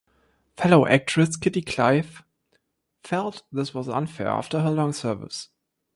Fellow actress Kitty Clive felt this was unfair after her long service.